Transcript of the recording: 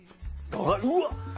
うわっ！